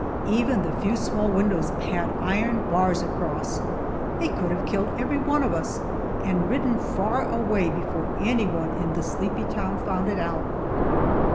Even the few small windows had iron bars across. They could have killed every one of us, and ridden far away before anyone in the sleepy town found it out.